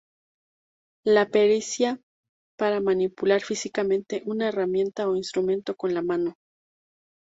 La pericia para manipular físicamente una herramienta o instrumento con la mano.